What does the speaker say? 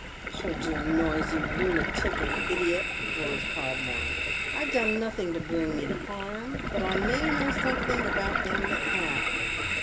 " Hold your noise, you lunatical idiot I " roars Podmore. " I've done nothing to bring me to harm, but I may know somethink uiwut them that have."